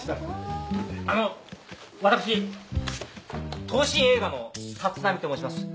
あの私東進映画の立浪と申します。